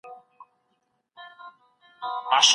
موږ چيري د بریالي ژوند لپاره اړین مهارتونه زده کوو؟